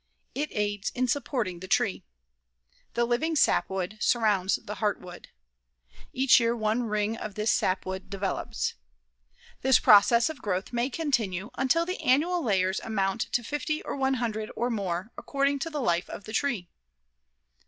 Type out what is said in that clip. It aids in supporting the tree. The living sapwood surrounds the heartwood. Each year one ring of this sapwood develops. This process of growth may continue until the annual layers amount to 50 or 100, or more, according to the life of the tree.